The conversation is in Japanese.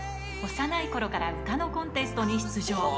幼い頃から歌のコンテストに出場。